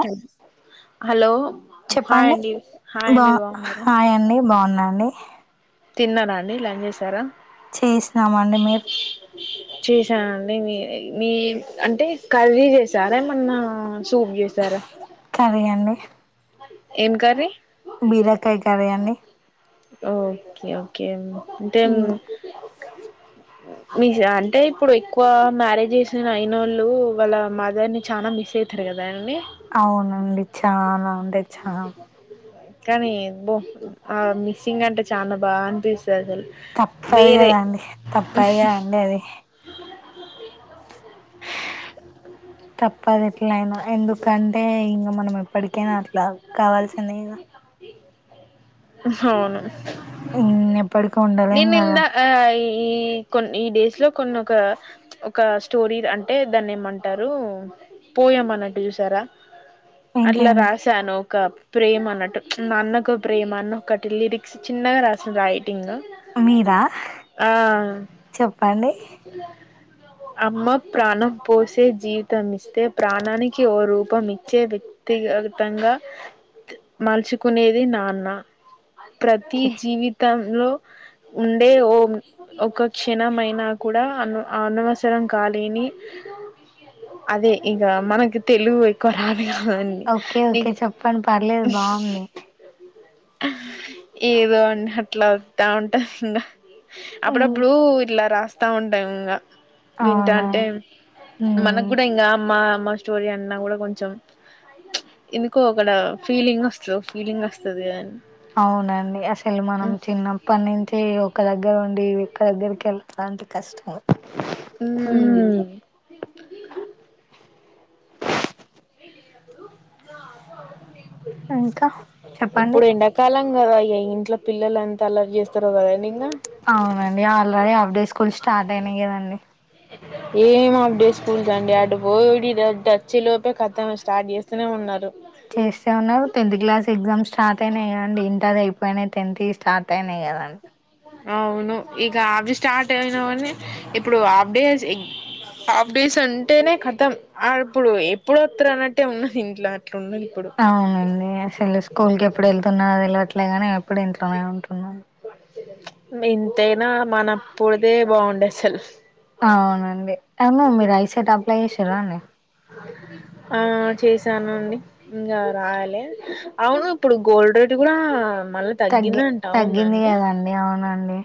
కడ్ hello hi చెప్పండి అండి, hi బా అండి బావున్నరా? హాయ్ అండి బాగున్నా అండి తిన్నరా అండి లంజేశారా చేసినమండి మీరు ని చేశానండి మీ మీ అంటే కర్రీ చేసారా, ఏమన్నా సూప్ జేసారా కర్రీ అండి ఏం కర్రీ బీరకాయ కరీ అండి ఓకే ఓకే అంటే మ్ ఉమ్, మిస్ అంటే ఇప్పుడు ఎక్కువ మ్యారేజ్ చేసిన అయినోళ్ళు వాళ్ళ మదర్ ని చానా మిస్ అయ్ అయితరు గదా అండి అవునండి చాలా అంటే చాల్ కనీ బ్బో ఆ మిస్సింగ్ అంటే చాలా బాదనిపిస్ తప్పదు వేరే కదండి తప్పదు కదండి అది తప్పది ఎట్లయినా ఎందుకంటే ఇంగ మనం ఎప్పటికైనా అట్లా కావాల్సిందేగ అవును ఉమ్ ఎప్పడు నేనిందా ఆయి ఈ కొన్ని ఈ డేస్ లో కొన్నోకా ఒక స్టోరీ అంటే దాన్ని ఏమంటరూ పోయమన్నట్టు చూసారా, అట్లా ఏంటిదండి రాసాను ఒక ప్రేమన్నట్టు నాన్నకు ప్రేమ అన్న ఒక్కటి లిరిక్స్ చిన్నగా రాసిం రైటింగ్ మీరా ఆ చెప్పండి అమ్మ ప్రాణం పోసి జీవితాన్నిస్తే ప్రాణానికి ఓ రూపం ఇచ్చే వ్యక్ క్తిగతంగా మలుచుకునేది నాన్న. ప్రతి ఓకే జీవితంలో ఉండే ఓ ఒక క్షణమైనా కూడా అన్వ అనవసరం కాలేని అదే ఇంక మనకి తెలుగు ఎక్కువ రా హా అండి ఓకే ఓకే చెప్పండి పర్లేదు బాగుంది ఏదో అండి అట్లా వత్తా ఉంటది ఇంగ ఉమ్, అప్పుడప్పుడు ఇలా రాస్తా ఉంటాం ఇంకా అవునా వింటాంటే మనకు ఉమ్, కూడా ఇంకా అమ్మ అమ్మా స్టోరీ అన్నా కూడా కొంచం ఎందుకో అక్కడ ఫీలింగ్ వస్త ఫీలింగ్ వస్తది అవునండి అసలే మనం చిన్నప్పటి నుంచి అయితే ఒక దగ్గర ఉండి ఇంకో దగ్గరికి వెళ్తున్నాం అంటే కష్టం ఉమ్ హ్మ్మ్ ఇంకా చెప్పండి ఇప్పుడు [unintelligible] ఇంట్లో పిల్లలు అంతా అల్లరి చేస్తారు కదా అని అవునండి ఆల్రెడీ అఫ్డే స్కూల్ స్టార్ట్ అయినాయి కదండి ఏం ఆఫ్డే స్కూల్స్ అండి అటు పోడిచ్చి అటొచ్చేలోపే కథ స్టార్ట్ చేస్తూనే ఉన్నారు చేశాను టెన్త్ క్లాస్ ఎగ్జామ్స్ స్టార్ట్ అయినాయి కదండి ఇంటర్ అయిపోయినాయి టెన్త్వి స్టార్ట్ అయినాయి కదండి అవును ఇక అవి స్టార్ట్ అయినవీ ఇప్పుడు హఫ్ డేస్ హాఫ్ డేస్ అంటేనే కథం ఇప్పుడు ఎప్పుడు వత్తారు అనట్టే ఉన్నది ఇంట్లో అట్లున్నది ఇప్పుడు అవునండి అసలు స్కూల్ కి ఎప్పుడు వెళ్తున్నారో తెలవట్లేగానీ అప్పుడు ఇంట్లోనే ఉంటు ఇంతైనా మనప్పుడుదే బాగుండే అసలు అవునండి అవును మీరు ఐ సెట్ అప్లై చేసారా అండి ఆ ఆ చేశానండి ఇంకా రాయలేదు అవును ఇప్పుడు గోల్డ్ రేట్ కూడా మళ్ళ తగ్గి తగ్గిందంటా అవునా తగ్గింది అండి కదండి అవునండి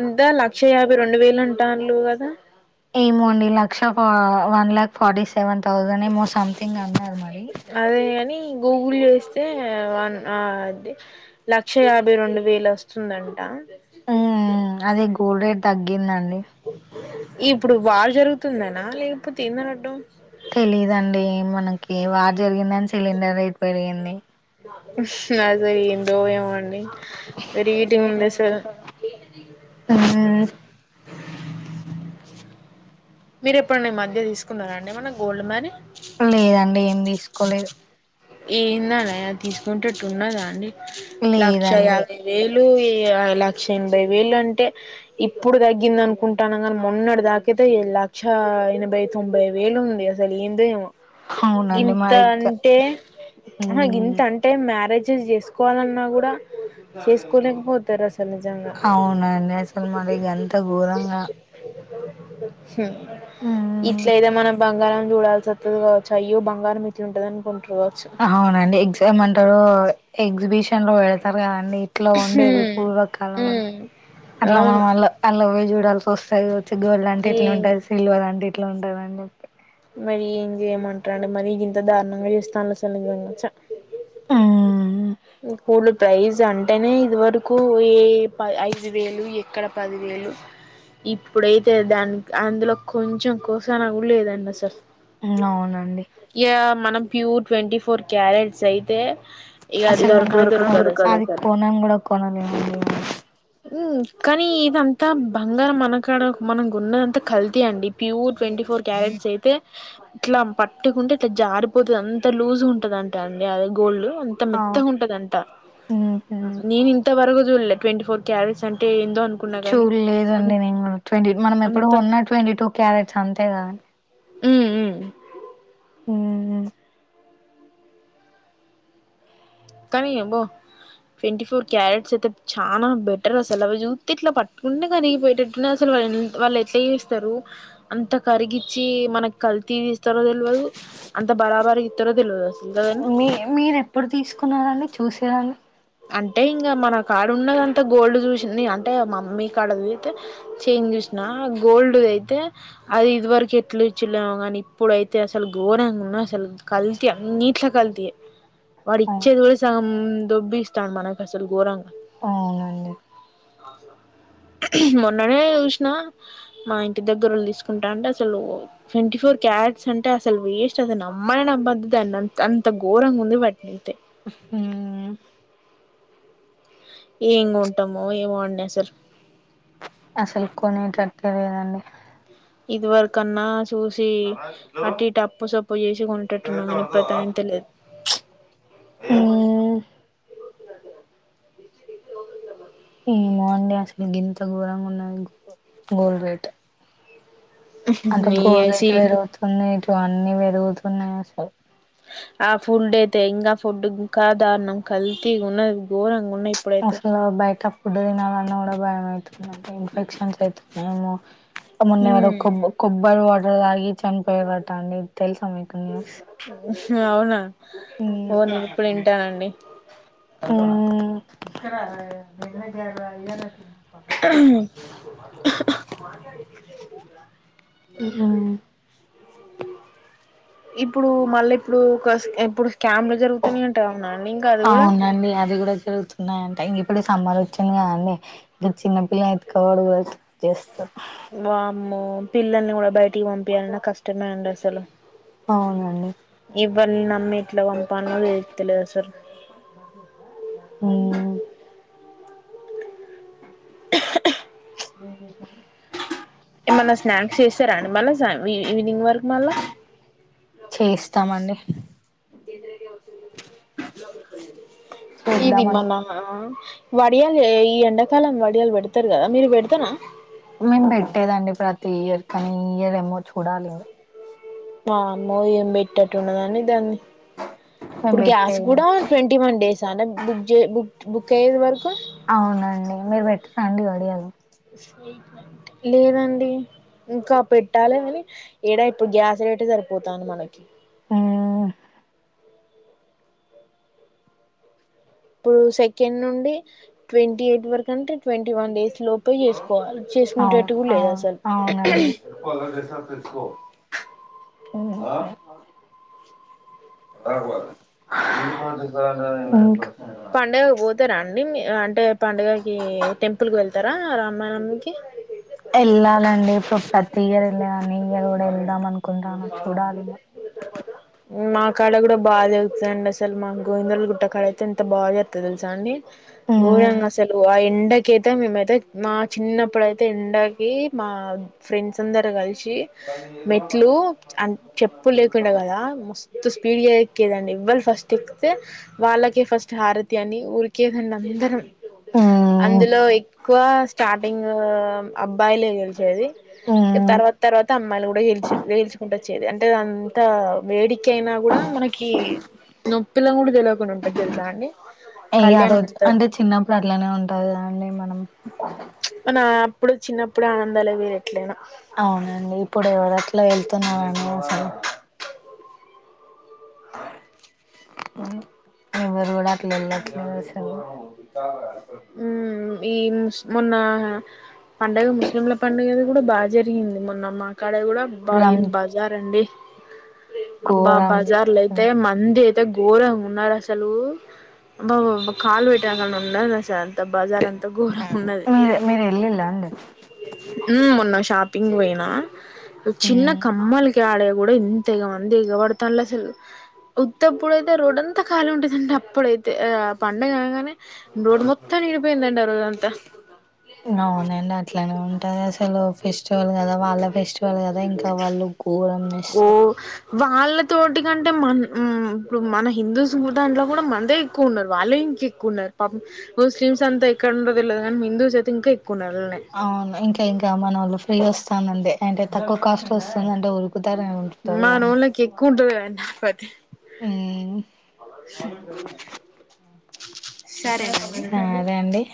ఎం త లక్ష యాభై రెండు వేలు అంటారులు కదా ఏమో అండి లక్ష one lakh forty seven thousand ఏమో సంథింగ్ అన్నారు మరి అదే గాని ఇంగో పూలు వేస్తే వన్ ఆ లక్ష యాభై రెండు వేలు వస్తుందంట మ్మ్ అదే గోల్ రేట్ తగ్గిందండి ఇప్పుడు వార్ జరుగుతుందనా లేకపోతే ఎందన్నట్టు తెలీదండి మనకి వారు జరిగిందనీ సిలిండర్ రేట్ పెరిగింది [unintelligible] అడ ఏటి రేట్ ఉంది ఏముంది అసల్ అసలు మ్మ్ మీరు ఎప్పుడన్న ఈమధ్య తీసుకున్నారా అండి ఏమన్న గోల్డ్ మరీ లేదండి ఏం తీసుకో ఏందనే తీసుకుంటేట్టు ఉన్నదా అండి లక్షా లేదండి యాభై వేలు [unintelligible] లక్ష ఎనభై వేలు అంటే ఇప్పుడు తగ్గిందానుకుంటాన్నావా మొన్నటి దాక అయితే లక్ష ఎనభై, తొంభై వేలు ఉంది అసలు ఏందో ఏమో అవునండి గింత మరి ఇక అంటే గింత మ్మ్ అంటే మ్యారేజెస్ చేసుకోవాలన్నా కూడా చేసుకోలేకపోతారు అసలు నిజంగా అవునండి అసలు మరి గంత ఘోరంగా మ్మ్ ఇట్లయినా మనం బంగారం చూడాల్సి వత్తది కావచ్చు అయ్యో బంగారం ఉంటదా [unintelligible] అవునండి ఎగ్జామ్ అంటారు ఎగ్జిబిషన్ లో వెళతారు కదా నీట్లో ఉండేది హ్మ్. పూర్వకాలం అని హ్మ్. అట్లా అవును మనం అ అలావే చూడాల్సి వస్తాయి వచ్చి గోల్డ్ అంటే ఇట్లా ఏం ఉంటది సిల్వర్ అంటే ఇట్లా ఉంటందిని చెప్పి మరి ఏం చేయమంటాడు మరి ఇంత దారుణంగా చేస్తానుల సలచ్చ ఆ గోల్డ్ ప్రైజ్ అంటేనే ఇది వరకు ఏ ఐదు వేలు ఎక్కడ పది వేలు ఇప్పుడైతే దాని అందులో కొంచెం కోసన లేదండి అసలు అవునండి ఇక మనం ప్యూర్ ట్వంటీ ఫోర్ క్యారెట్స్ యితే ఇక అసలు దొరకనే దొరకదు మనం అసలు అది కొనను కూడా కొనలేమండి మనం. కానీ ఇదంత ఇంత బంగారం మనకాడ మనం కొన్నడంత కల్తీ అండి ప్యూర్ ట్వంటీ ఫోర్ క్యారెట్స్ అయితే ఇట్లా పట్టుకుంటే ఇట్లా జారిపోతుంది అంత లూజ్ ఉంటదింటా అండి అది గోల్ ఆ ఇ ఉంటదింత ఉహు నేను ఇంత వరకు చూడలే ట్వంటీ ఫోర్ క్యారెట్స్ అంటే ఎండో చూ లేదండి నేను ట్వంటీ మనం ఎప్పుడు అంత ఉన్న ట్వంటీ టూ క్యారెట్స్ అంతే కదండి ఉ ఉ కానీ ఏబో ట్వంటీ ఫోర్ క్యారెట్స్ అయితే చాలా బెటర్ అసలు అవి చూస్త ఇట్లా పట్టుకుంటే కరిగిపోయటట్టునే అసలు వాళ్ళు ఎట్లా చేస్తారు అంత కరిగిచ్చి మనకి కల్తీ తీ ఇస్తారో తెలియదు అంత బరాబరి ఇతరు మీ మీరు ఎప్పుడు తీసుకున్నారండి చూసారండి అంటే ఇంకా మన కాడ ఉన్నద అంతా గోల్డ్ చూసింది అంటే మమ్మీ కాడ చదిగితే చైన్ చూసి గోల్డ్ అయితే అది ఇది వరకు ఎట్లు ఇచ్చిలేము కానీ ఇప్పుడుయితే అసలు గోడ్ కల్తీ అన్నిట్లో కల్తీ వాడు ఇచ్చేది కూడా సగం దబ్బిస్తాడు మనకు అసలు ఘోరంగా అవునండి ఆ సా మొన్ననే చూసిన మా ఇంటి దగ్గరలు తీసుకుంటా అంటే అసలు ట్వంటీ ఫోర్ క్యాట్స్ అంటే అసలు వేస్ట్ అసలు నమ్మని నమ్మదు దాన్నింత అంత ఘోరంగా ఉంది వాటినింతే ఉమ్ ఏం కొంటామో ఏమో అండి అసలు అసలు కొనే తట్టి లేదండి ఇది వర కన్నా చూసి అటు ఇటు అప్పు సప్పు చేసి కొంటట్టున్నా కానీ ఇప్పుడు అదంతా లేదు వల్ా ఉమ్ ఏమో అండి అసలు గింత ఘోరంగా ఉన్నది గోల్డ్ రేట్ అంటే ఈ గోల్డ్ రేట్ ఐసిల్ పెరుగుతున్నా ఇటు అన్నీ పెరుగుతున్నాయి అసలు ఆ ఫుల్ డేతే ఇంగా ఫుడ్ ఇంకా గోరం కల్తీ ఉన్నది గోరంగా అసలు బాయట ఫుడ్ తినాలన్నా కూడా భయం అవుతుంది అక్క ఇన్ఫెక్షన్స్ అవుతున్నాయేమో మొన్న ఎవరో ఉమ్ కొబ్బరి వాటర్ తాగి చనిపోయారట అండి తెలుసా మీకు న్యూస్ అవునా మ్మ్. ఓ నేను ఇప్పుడు వింటానండి అ మ్మ్. నల్గు వెడి ఉ ఇప్పుడు మళ్ళీ ఇప్పుడు ఎప్పుడు అవునండి అది కూడా జరుగుతున్నాయింటే ఇ ఇక్కడే సమ్మర్ వచ్చింది కదండీ ఇగ చిన్నపిల్ల ఎతుకవాడు కూడా చేస్తారు వామ్ము పిల్లల్ని కూడా బయటికి పంపియాలన్న కష్టమే అండి అసలు అవునండి ఎవరిని నమ్మికి లే [inaudible] ఉమ్ [unintelligible] లే స [unintelligible] ఏమనా స్నాక్స్ చేసారండి మళ్ళా ఈవినింగ్ వర చేస్తామండి ఇది చేద్దామను మల్లా అహ్ వడియాలు ఈ ఎండాకాలం వడియాలు పెడతారు కదా మీరు పెడతార నేను పెట్టేదండి ప్రతి ఇయర్ కానీ ఈ ఇయర్ ఏమో చూడాలి వామ్మో ఏం పెద్దేటట్టుంది దాని మేము ఇప్పుడు గ్యాస్ పెట్టేదండి కూడా ట్వంటీ వన్ డేస్ అన్న బుక్ బుక్ బుక్ అయ్యేది వరకు అవునండి మీరు పెట్ట రండి వడియాలు లేదండి ఇంకా పెట్టాలి కాని ఎడా ఇప్పుడు గ్యాస్ చేయబట్టి సరిపోతుంది ఉమ్ ఇప్పుడు సెకండ్ నుండి ట్వంటీ ఎయిట్ వరకు అంటే ట్వంటీ వన్ డేస్ లోపే చేసుకోవాలి అవును చేసుకుంటేట్టు కూడా లేదు అవును అసలు అవునండి అ [unintelligible] ఇంకా పండుగ పోతారా అండి అంటే పండుగకి టెంపుల్కి వెళ్ ఇతారా రామారామ్ కి వెళ్ళాలండి ఇప్పుడు ప్రతి ఇయర్ వెళ్ళే దాని ఇయర్ కూడా వెళ్దాం అనుకుంటాను చూడాలిమ్మ మా కాడ కూడా బాగా దగుతుందండి అసలు మా గోవిందలు గుట్ట కాడ అయితేంట భార్య తెలుసాండి మ్మ్ ఘరంగా సెలవుయి [unintelligible] ఎండకి అయితే మేమైతే మా చిన్నప్పుడుయితే ఎండకి మా ఫ్రెండ్స్ అందరు కలిసి మెట్లు చెప్పు లేకుండ కదా మస్తు స్పీడ్ ేదండి ఇవ్వళ ఫస్ట్ ఎక్స్తతే వాళ్ళకే ఫస్ట్ హారతి అని ఊరికి లేదండి అందరం మ్మ్ అందులో ఎక్కువ స్టార్టింగ్ అబ్బాయిలే గెలిచేది మ్మ్ తర్వాత తర్వాత అమ్మాయిలు కూడా గెల్చు గెల్చుకుంటే అంటే అంత వేడిక అయినా కూడా మనకి నొప్పిల కూడా తెల ని ఉంటది తెలుసాండి అయ ఆ రోజు అంటే చిన్నప్పుడు అట్లనే ఉంటంది అండి మనం మన అప్పుడు చిన్నప్పుడు ఆనందాలే వేరే అవునండి ఇప్పుడు ఎవరట్లా వెళ్తున్నామండి సర ఎవరు కూడా అట్లా వెళ్ళతేలేదు అసలు ఉమ్ ఈస్ మొన్న పండగ ముస్లింల పండుగది కూడా బాగా జరిగింది మొన్న మా ఇక్కడ కూడా అబ్బా రం ఏం బజార్ అండి అబ్బా ఘోరం బజార్ లో అయితే మంది అయితే ఎంత ఘోరంగా ఉన్నారు అసలు అబ్బా బా కాలు పెట్టక ఉన్నారు అ అంతా బజార్ అంతా ఘోరం ఉన్నది మీరు మీరు వెళ్ళిలా అండి ఉమ్ మన్న షాపింగ్ పోయినా చిన్న కమ్మలికి ఆడ కూడా ఇంతేగ అంది ఎగవడుతా అసలు ఉత్తప్పుడైతే రోడ్ంతా ఖాళీ ఉంటేదండి అప్పుడైతే ఆ పండగ అనగానే రోడ్ మొత్తాం నిండి పోయింది అది అంత అవునండి అట్లనే ఉంటారు అసలు ఫెస్టివల్ కదా వాళ్ళ ఫెస్టివల్ కదా ఇంకా వాళ్ళు ఘోరం చే స్తారు వాళ్ళ తోటి కంటే మన ఉమ్ ఇప్పుడు మన హిందూస్ దాంట్లో కూడా మందే ఎక్కువ ఉన్నారు వాళ్ళు ఇంక ఎక్కువ ఉన్నారు పాపం ముస్లిమ్స్ంతా ఇక్కండో తె లేదు కానీ హిందూస్ ఐతే ఇంకా ఎక్కువ నలన్నాయి అవును ఇంకా ఇంకా మన వాళ్ళు ఫ్రీ వస్తానండి అంటే తక్కువ కాస్ట్ వస్తుందింటే ఉరుకు ఉదరణ ఉత్తదే అని మనోళ్ళకి ఎక్కువ ఉంటది కదా పతి ఊ సరేనండి నాదండి